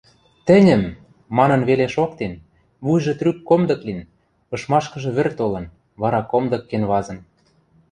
Тӹньӹм!.. — манын веле шоктен, вуйжы трӱк комдык лин, ышмашкыжы вӹр толын, вара комдык кенвазын.